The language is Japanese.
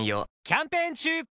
キャンペーン中！